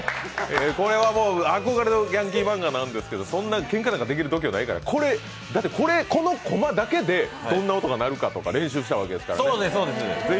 これは憧れのヤンキー漫画ですけどけんかなんかできる度胸ないから、この駒だけで、どんな音が鳴るか練習しましたから。